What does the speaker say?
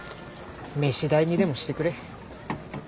飯代にでもしてくれ。